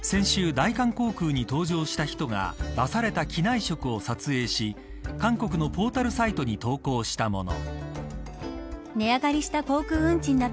写真は先週、大韓航空に搭乗した人が出された機内食を撮影し韓国のポータルサイトに投稿したもの。